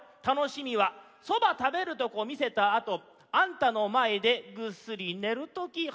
『楽しみはそば食べるとこみせたあとあんたの前でぐっすりねるとき』。